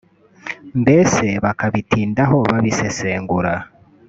mbese bakabitindaho babisesengura